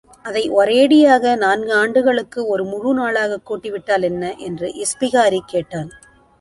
அதை ஒரேயடியாக நான்கு ஆண்டுகளுக்கு ஒரு முழு நாளாகக் கூட்டிவிட்டால் என்ன? என்று இஸ்பிகாரி கேட்டான்.